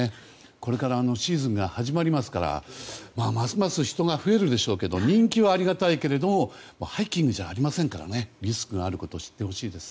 これからシーズンが始まりますからますます人が増えるでしょうけど人気はありがたいけれどもハイキングじゃありませんからリスクがあることを知ってほしいです。